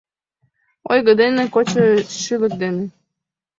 «Ойго дене, кочо шӱлык дене...»